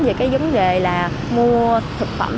về cái vấn đề là mua thực phẩm